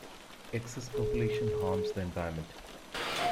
Excess population harms the environment.